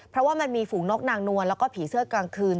เพราะว่ามันมีฝูงนกนางนวลแล้วก็ผีเสื้อกลางคืน